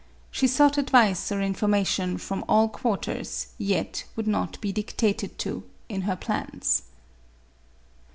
She sought advice or information from all quarters, yet would not be dictated to, in her plans.